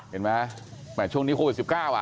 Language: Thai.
เห็นไหมหมายถึงช่วงนี้โควิด๑๙อ่ะ